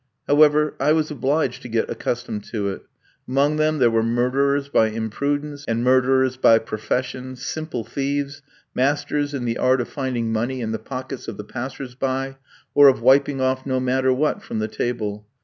However, I was obliged to get accustomed to it. Among them there were murderers by imprudence, and murderers by profession, simple thieves, masters in the art of finding money in the pockets of the passers by, or of wiping off no matter what from the table.